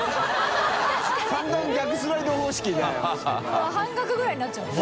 もう半額ぐらいになっちゃうもん。